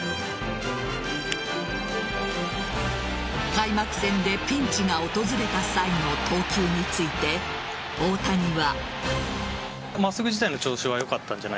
開幕戦でピンチが訪れた際の投球について大谷は。